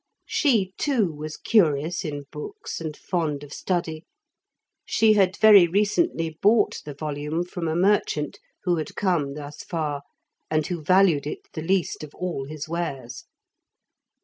She, too, was curious in books and fond of study. She had very recently bought the volume from a merchant who had come thus far, and who valued it the least of all his wares.